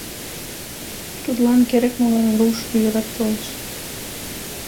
Тудлан керек-могай руш ӱдырат толеш...